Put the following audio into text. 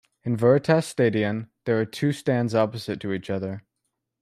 In Veritas Stadion there are two stands opposite to each other.